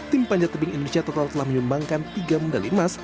tim panjatabing indonesia total telah menyumbangkan tiga medali emas